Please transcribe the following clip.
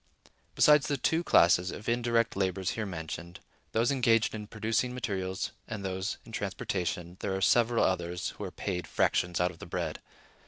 Besides the two classes of indirect laborers here mentioned, those engaged in producing materials and those in transportation, there are several others who are paid fractions out of the bread.